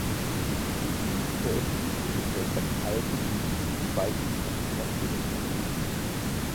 Friis veröffentlichte bisher sechs Alben in diesen und weiteren Konstellationen.